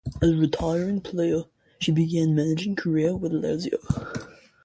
After retiring as a player, she began a managing career with Lazio.